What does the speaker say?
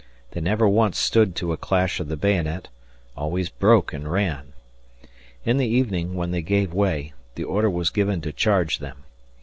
They never once stood to a clash of the bayonet always broke and ran. In the evening, when they gave way, the order was given to charge them.